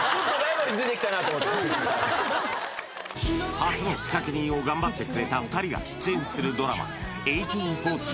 初の仕掛人を頑張ってくれた２人が出演するドラマ「１８／４０」